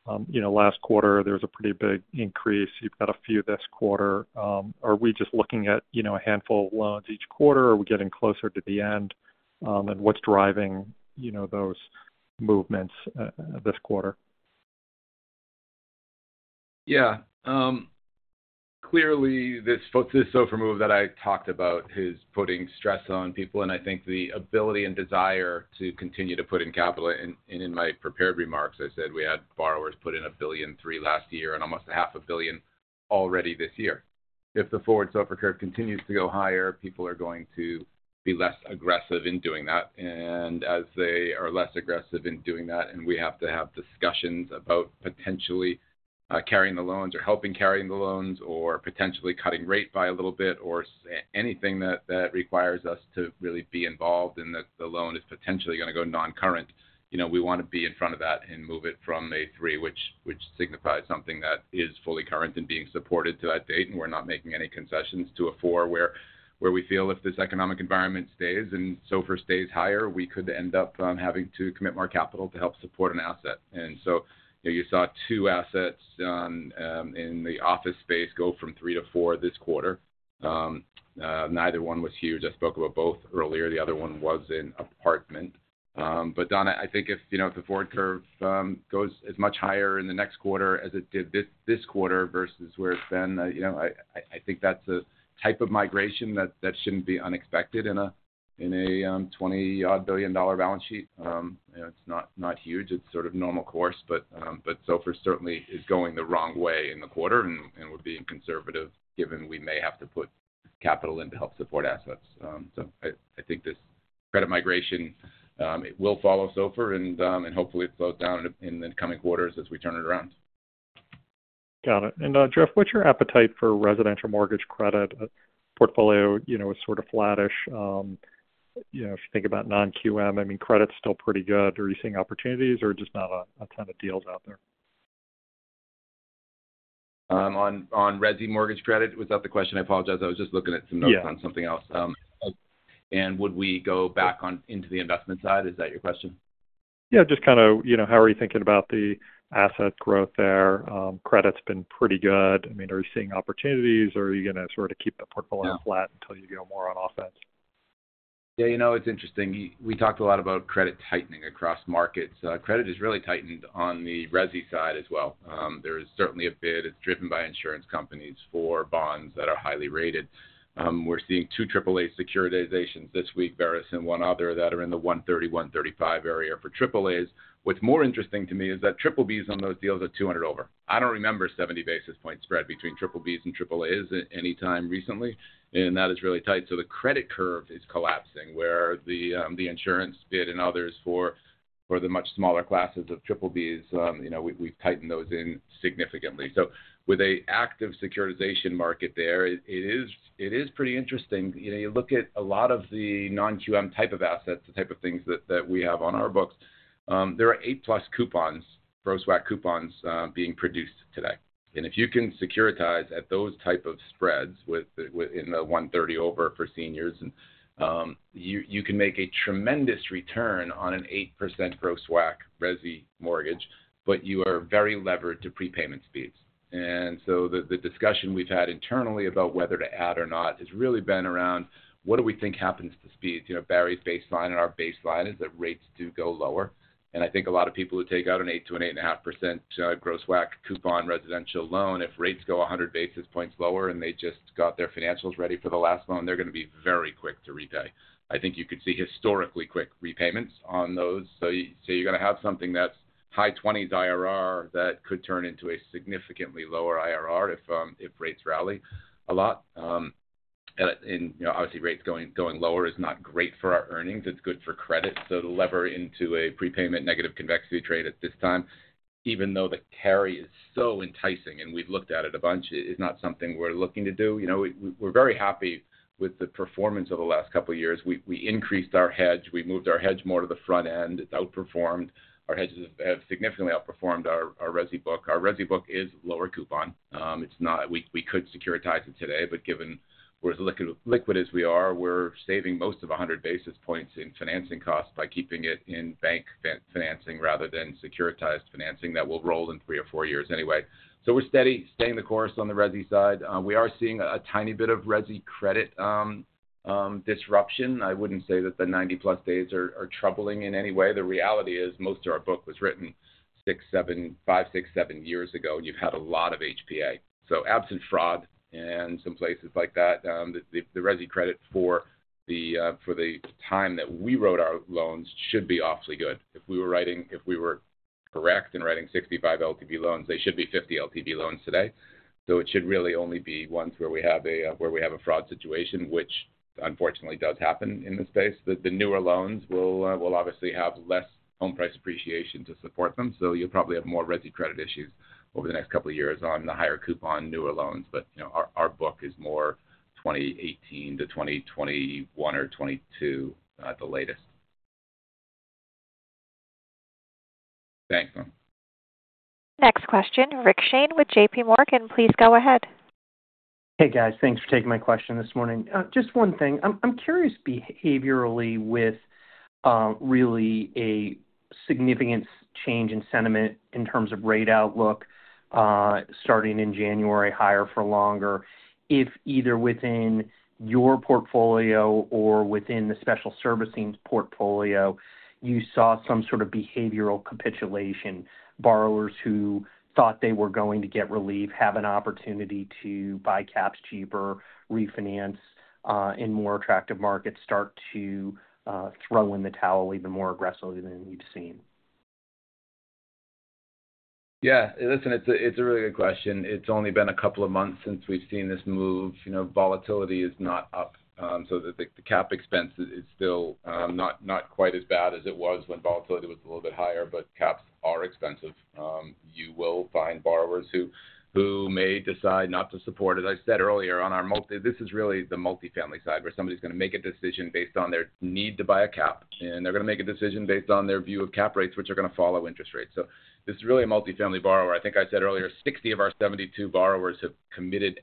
S7: Last quarter, there was a pretty big increase. You've got a few this quarter. Are we just looking at a handful of loans each quarter, or are we getting closer to the end? And what's driving those movements this quarter?
S4: Yeah. Clearly, this SOFR move that I talked about is putting stress on people, and I think the ability and desire to continue to put in capital. In my prepared remarks, I said we had borrowers put in $1.3 billion last year and almost $0.5 billion already this year. If the forward SOFR curve continues to go higher, people are going to be less aggressive in doing that. As they are less aggressive in doing that, and we have to have discussions about potentially carrying the loans or helping carry the loans or potentially cutting rate by a little bit or anything that requires us to really be involved and that the loan is potentially going to go non-current, we want to be in front of that and move it from a 3, which signifies something that is fully current and being supported to that debt. We're not making any concessions to a 4 where we feel if this economic environment stays and SOFR stays higher, we could end up having to commit more capital to help support an asset. So you saw 2 assets in the office space go from 3 to 4 this quarter. Neither one was huge. I spoke about both earlier. The other one was in apartment. But, Don, I think if the forward curve goes as much higher in the next quarter as it did this quarter versus where it's been, I think that's a type of migration that shouldn't be unexpected in a $20-odd billion balance sheet. It's not huge. It's sort of normal course. But SOFR certainly is going the wrong way in the quarter, and we're being conservative given we may have to put capital in to help support assets. So I think this credit migration, it will follow SOFR, and hopefully, it slows down in the coming quarters as we turn it around.
S7: Got it. Jeff, what's your appetite for residential mortgage credit? Portfolio is sort of flatish. If you think about non-QM, I mean, credit's still pretty good. Are you seeing opportunities, or just not a ton of deals out there?
S4: On resi mortgage credit, was that the question? I apologize. I was just looking at some notes on something else. Would we go back into the investment side? Is that your question?
S7: Yeah. Just kind of how are you thinking about the asset growth there? Credit's been pretty good. I mean, are you seeing opportunities? Are you going to sort of keep the portfolio flat until you go more on offense?
S4: Yeah. It's interesting. We talked a lot about credit tightening across markets. Credit is really tightened on the resi side as well. There is certainly a bid that's driven by insurance companies for bonds that are highly rated. We're seeing two AAA securitizations this week, Verus and one other, that are in the 130-135 area for AAAs. What's more interesting to me is that BBBs on those deals are 200 over. I don't remember 70 basis point spread between BBBs and AAAs anytime recently, and that is really tight. So the credit curve is collapsing, where the insurance bid and others for the much smaller classes of BBBs, we've tightened those in significantly. So with an active securitization market there, it is pretty interesting. You look at a lot of the non-QM type of assets, the type of things that we have on our books, there are 8+ coupons, gross WAC coupons, being produced today. And if you can securitize at those type of spreads in the 130 over for seniors, you can make a tremendous return on an 8% gross WAC resi mortgage, but you are very levered to prepayment speeds. And so the discussion we've had internally about whether to add or not has really been around, what do we think happens to speeds? Barry's baseline and our baseline is that rates do go lower. I think a lot of people who take out an 8%-8.5% gross WAC coupon residential loan, if rates go 100 basis points lower and they just got their financials ready for the last loan, they're going to be very quick to repay. I think you could see historically quick repayments on those. So you're going to have something that's high 20s IRR that could turn into a significantly lower IRR if rates rally a lot. And obviously, rates going lower is not great for our earnings. It's good for credit. So to lever into a prepayment negative convexity trade at this time, even though the carry is so enticing and we've looked at it a bunch, it is not something we're looking to do. We're very happy with the performance of the last couple of years. We increased our hedge. We moved our hedge more to the front end. It's outperformed. Our hedges have significantly outperformed our resi book. Our resi book is lower coupon. We could securitize it today, but given how liquid as we are, we're saving most of 100 basis points in financing costs by keeping it in bank financing rather than securitized financing that will roll in 3 or 4 years anyway. So we're steady, staying the course on the resi side. We are seeing a tiny bit of resi credit disruption. I wouldn't say that the 90+ days are troubling in any way. The reality is most of our book was written 5, 6, 7 years ago, and you've had a lot of HPA. So absent fraud and some places like that, the resi credit for the time that we wrote our loans should be awfully good. If we were writing if we were correct in writing 65 LTV loans, they should be 50 LTV loans today. So it should really only be ones where we have a fraud situation, which unfortunately does happen in this space. The newer loans will obviously have less home price appreciation to support them. So you'll probably have more resi credit issues over the next couple of years on the higher coupon newer loans. But our book is more 2018 to 2021 or 2022 at the latest. Thanks, Don.
S1: Next question. Rick Shane with JPMorgan. Please go ahead.
S8: Hey, guys. Thanks for taking my question this morning. Just one thing. I'm curious behaviorally with really a significant change in sentiment in terms of rate outlook starting in January, higher for longer. If either within your portfolio or within the special servicing portfolio, you saw some sort of behavioral capitulation, borrowers who thought they were going to get relief have an opportunity to buy caps cheaper, refinance in more attractive markets, start to throw in the towel even more aggressively than you've seen?
S4: Yeah. Listen, it's a really good question. It's only been a couple of months since we've seen this move. Volatility is not up. So the cap expense is still not quite as bad as it was when volatility was a little bit higher, but caps are expensive. You will find borrowers who may decide not to support it. I said earlier on our multi this is really the multifamily side where somebody's going to make a decision based on their need to buy a cap, and they're going to make a decision based on their view of cap rates, which are going to follow interest rates. So this is really a multifamily borrower. I think I said earlier, 60 of our 72 borrowers have committed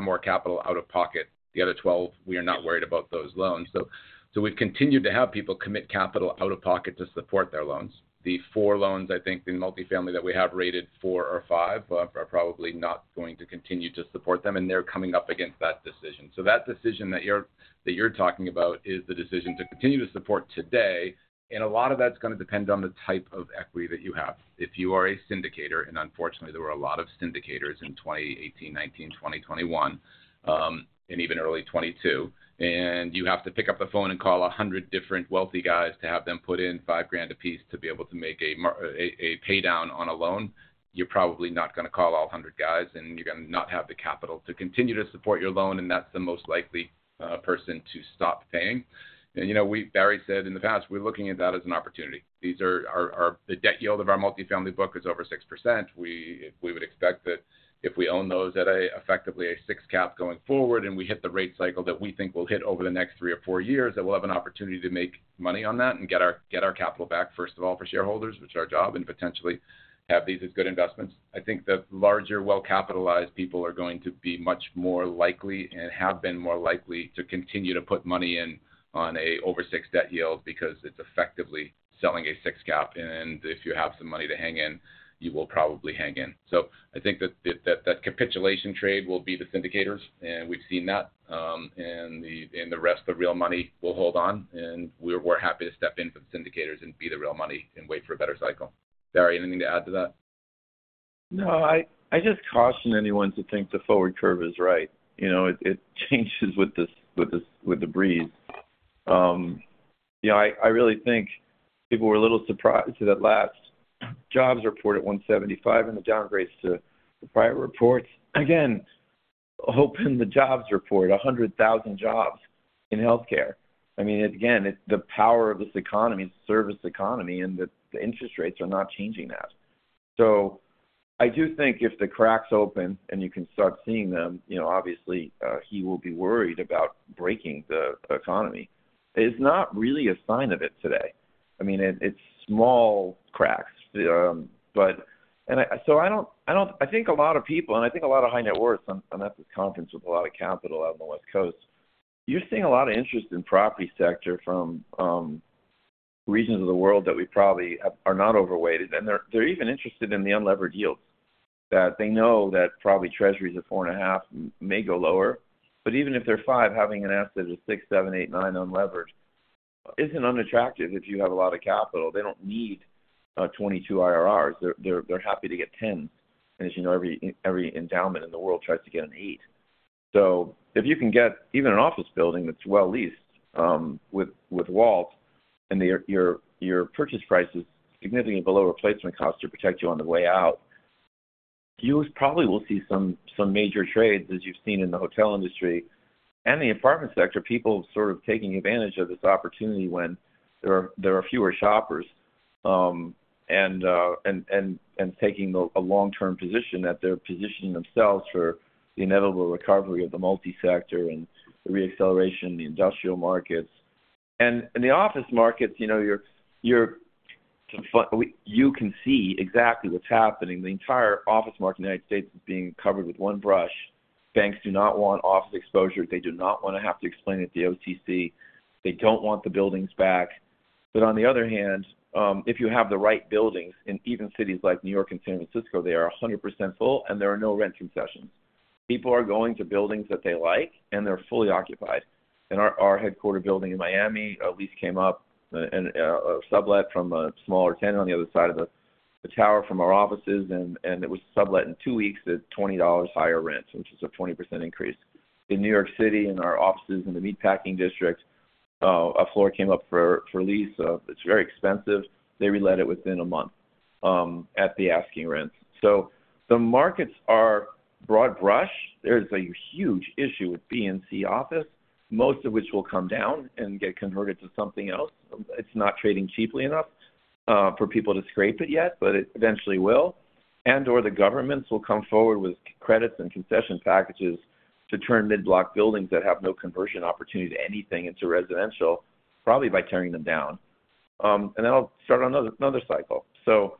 S4: more capital out of pocket. The other 12, we are not worried about those loans. So we've continued to have people commit capital out of pocket to support their loans. The four loans, I think, in multifamily that we have rated four or five are probably not going to continue to support them, and they're coming up against that decision. So that decision that you're talking about is the decision to continue to support today. And a lot of that's going to depend on the type of equity that you have. If you are a syndicator and unfortunately, there were a lot of syndicators in 2018, 2019, 2021, and even early 2022, and you have to pick up the phone and call 100 different wealthy guys to have them put in $5,000 apiece to be able to make a paydown on a loan, you're probably not going to call all 100 guys, and you're going to not have the capital to continue to support your loan, and that's the most likely person to stop paying. And Barry said in the past, "We're looking at that as an opportunity. The debt yield of our multifamily book is over 6%. We would expect that if we own those at effectively a 6 cap going forward and we hit the rate cycle that we think we'll hit over the next three or four years, that we'll have an opportunity to make money on that and get our capital back, first of all, for shareholders, which are our job, and potentially have these as good investments. I think the larger, well-capitalized people are going to be much more likely and have been more likely to continue to put money in on an over-6 debt yield because it's effectively selling a 6 cap. And if you have some money to hang in, you will probably hang in. So I think that that capitulation trade will be the syndicators, and we've seen that. The rest of the real money will hold on, and we're happy to step in for the syndicators and be the real money and wait for a better cycle. Barry, anything to add to that?
S5: No. I just caution anyone to think the forward curve is right. It changes with the breeze. I really think people were a little surprised at that last jobs report at 175 and the downgrades to prior reports. Again, hope in the jobs report, 100,000 jobs in healthcare. I mean, again, the power of this economy is a service economy, and the interest rates are not changing that. So I do think if the cracks open and you can start seeing them, obviously, he will be worried about breaking the economy. It's not really a sign of it today. I mean, it's small cracks. And so I don't. I think a lot of people and I think a lot of high-net-worth. I'm at this conference with a lot of capital out on the West Coast. You're seeing a lot of interest in the property sector from regions of the world that we probably are not overweight. They're even interested in the unlevered yields that they know that probably Treasuries at 4.5 may go lower. But even if they're 5, having an asset at a 6, 7, 8, 9 unlevered isn't unattractive if you have a lot of capital. They don't need 22 IRRs. They're happy to get 10s. And as you know, every endowment in the world tries to get an 8. So if you can get even an office building that's well leased with WALT and your purchase price is significantly below replacement costs to protect you on the way out, you probably will see some major trades as you've seen in the hotel industry and the apartment sector, people sort of taking advantage of this opportunity when there are fewer shoppers and taking a long-term position that they're positioning themselves for the inevitable recovery of the multifamily sector and the reacceleration in the industrial markets. And in the office markets, you can see exactly what's happening. The entire office market in the United States is being covered with one brush. Banks do not want office exposure. They do not want to have to explain it to the OCC. They don't want the buildings back. But on the other hand, if you have the right buildings in even cities like New York and San Francisco, they are 100% full, and there are no rent concessions. People are going to buildings that they like, and they're fully occupied. Our headquarters building in Miami at least came up, a sublet from a smaller tenant on the other side of the tower from our offices. And it was a sublet in 2 weeks at $20 higher rent, which is a 20% increase. In New York City and our offices in the Meatpacking District, a floor came up for lease. It's very expensive. They relet it within a month at the asking rent. So the markets are broad brush. There is a huge issue with B and C office, most of which will come down and get converted to something else. It's not trading cheaply enough for people to scrape it yet, but it eventually will. And/or the governments will come forward with credits and concession packages to turn mid-block buildings that have no conversion opportunity to anything into residential probably by tearing them down. And then I'll start another cycle. So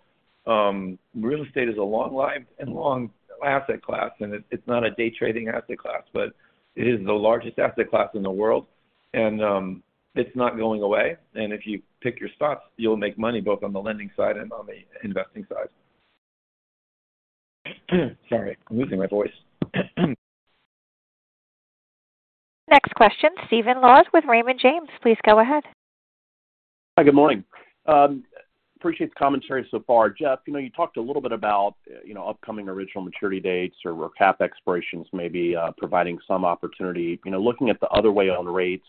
S5: real estate is a long-lived and long asset class, and it's not a day-trading asset class, but it is the largest asset class in the world. And it's not going away. And if you pick your spots, you'll make money both on the lending side and on the investing side. Sorry. I'm losing my voice.
S1: Next question. Stephen Laws with Raymond James. Please go ahead.
S9: Hi. Good morning. Appreciate the commentary so far. Jeff, you talked a little bit about upcoming original maturity dates or cap expirations, maybe providing some opportunity. Looking at the other way on rates,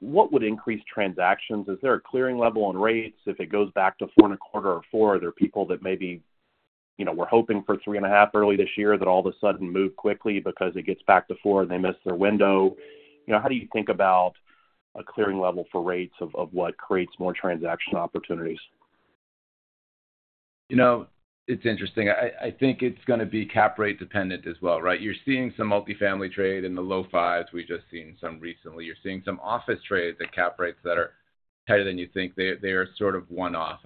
S9: what would increase transactions? Is there a clearing level on rates? If it goes back to 4.25 or 4, are there people that maybe were hoping for 3.5 early this year that all of a sudden move quickly because it gets back to 4 and they miss their window? How do you think about a clearing level for rates of what creates more transaction opportunities?
S4: It's interesting. I think it's going to be cap rate-dependent as well, right? You're seeing some multifamily trade in the low 5s. We've just seen some recently. You're seeing some office trades at cap rates that are tighter than you think. They are sort of one-off.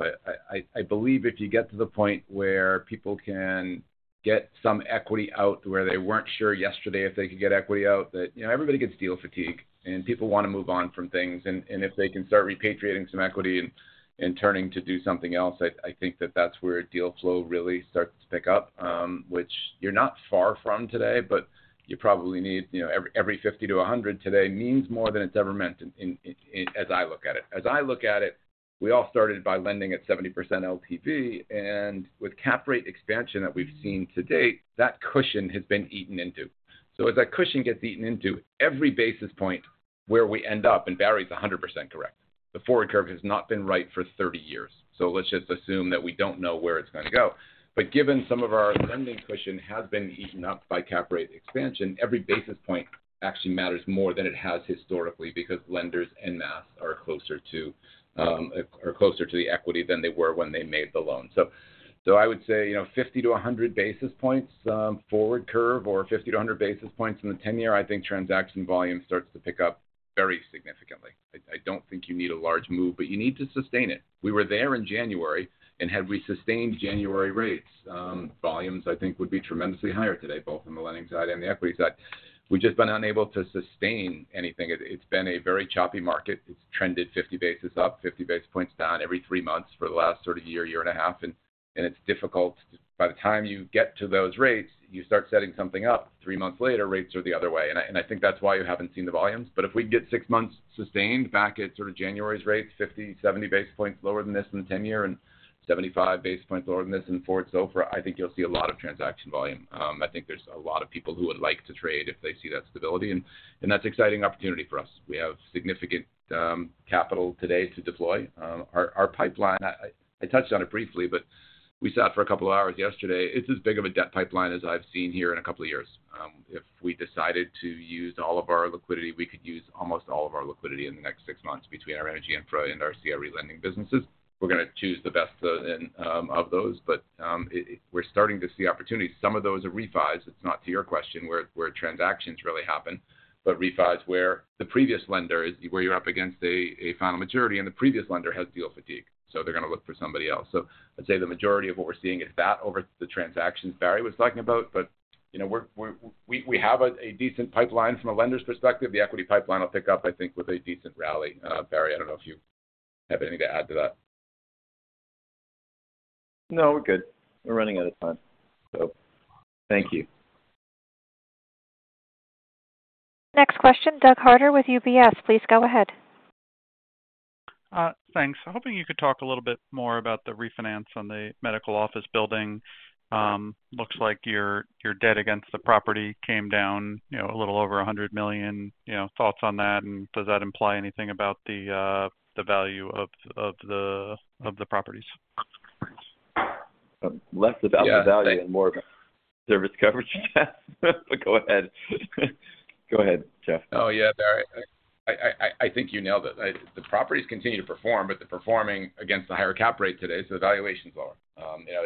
S4: I believe if you get to the point where people can get some equity out where they weren't sure yesterday if they could get equity out, that everybody gets deal fatigue, and people want to move on from things. And if they can start repatriating some equity and turning to do something else, I think that that's where deal flow really starts to pick up, which you're not far from today, but you probably need every 50-100 today means more than it's ever meant as I look at it. As I look at it, we all started by lending at 70% LTV. With cap rate expansion that we've seen to date, that cushion has been eaten into. So as that cushion gets eaten into, every basis point where we end up, and Barry's 100% correct. The forward curve has not been right for 30 years. So let's just assume that we don't know where it's going to go. But given some of our lending cushion has been eaten up by cap rate expansion, every basis point actually matters more than it has historically because lenders en masse are closer to the equity than they were when they made the loan. So I would say 50-100 basis points forward curve or 50-100 basis points in the 10-year, I think transaction volume starts to pick up very significantly. I don't think you need a large move, but you need to sustain it. We were there in January. And had we sustained January rates, volumes, I think, would be tremendously higher today, both on the lending side and the equity side. We've just been unable to sustain anything. It's been a very choppy market. It's trended 50 basis up, 50 basis points down every three months for the last sort of year, year and a half. And it's difficult. By the time you get to those rates, you start setting something up. Three months later, rates are the other way. And I think that's why you haven't seen the volumes. But if we get six months sustained back at sort of January's rates, 50, 70 basis points lower than this in the 10-year and 75 basis points lower than this in forward SOFR, I think you'll see a lot of transaction volume. I think there's a lot of people who would like to trade if they see that stability. And that's an exciting opportunity for us. We have significant capital today to deploy. Our pipeline, I touched on it briefly, but we sat for a couple of hours yesterday. It's as big of a debt pipeline as I've seen here in a couple of years. If we decided to use all of our liquidity, we could use almost all of our liquidity in the next 6 months between our energy infra and our CRE lending businesses. We're going to choose the best of those. But we're starting to see opportunities. Some of those are refis. It's not to your question where transactions really happen, but refis where the previous lender where you're up against a final maturity and the previous lender has deal fatigue. So they're going to look for somebody else. I'd say the majority of what we're seeing is that over the transactions Barry was talking about. But we have a decent pipeline from a lender's perspective. The equity pipeline will pick up, I think, with a decent rally. Barry, I don't know if you have anything to add to that.
S5: No. We're good. We're running out of time, so thank you.
S1: Next question. Doug Harter with UBS. Please go ahead.
S10: Thanks. Hoping you could talk a little bit more about the refinance on the medical office building. Looks like your debt against the property came down a little over $100 million. Thoughts on that? And does that imply anything about the value of the properties?
S5: Less about the value and more about service coverage costs. But go ahead. Go ahead, Jeff. Oh, yeah, Barry. I think you nailed it. The properties continue to perform, but they're performing against a higher cap rate today, so the valuation's lower.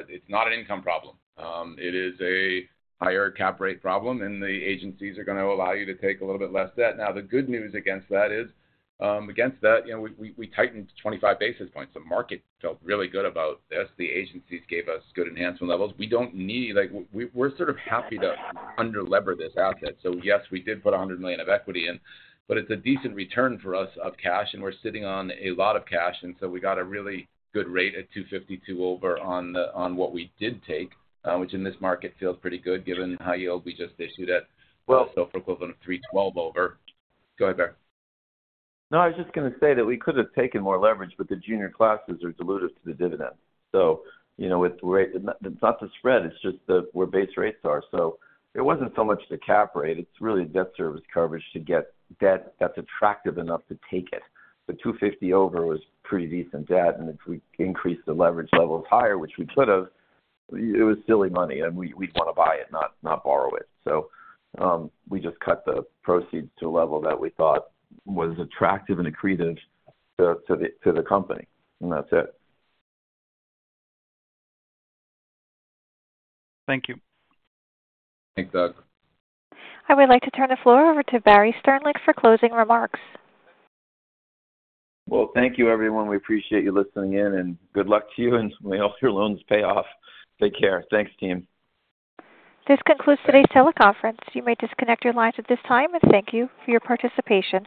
S5: It's not an income problem. It is a higher cap rate problem, and the agencies are going to allow you to take a little bit less debt. Now, the good news against that is, we tightened 25 basis points. The market felt really good about this. The agencies gave us good enhancement levels. We don't need. We're sort of happy to underlever this asset. So yes, we did put $100 million of equity, but it's a decent return for us of cash, and we're sitting on a lot of cash.
S4: So we got a really good rate at 252 over on what we did take, which in this market feels pretty good given the high yield we just issued at also equivalent of 312 over. Go ahead, Barry.
S5: No. I was just going to say that we could have taken more leverage, but the junior classes are diluted to the dividend. So it's not the spread. It's just where base rates are. So it wasn't so much the cap rate. It's really debt service coverage to get debt that's attractive enough to take it. The 250 over was pretty decent debt. And if we increased the leverage levels higher, which we could have, it was silly money, and we'd want to buy it, not borrow it. So we just cut the proceeds to a level that we thought was attractive and accretive to the company. And that's it.
S10: Thank you.
S4: Thanks, Doug.
S1: I would like to turn the floor over to Barry Sternlicht for closing remarks.
S5: Well, thank you, everyone. We appreciate you listening in, and good luck to you, and may all your loans pay off. Take care. Thanks, team.
S1: This concludes today's teleconference. You may disconnect your lines at this time. Thank you for your participation.